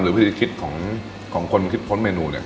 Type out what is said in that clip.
วิธีคิดของคนคิดพ้นเมนูเนี่ย